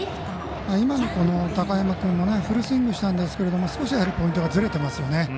今の高山君もフルスイングしたんですが少しポイントがずれていますよね。